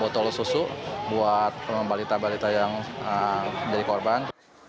buat tol susu buat balita balita yang jadi korban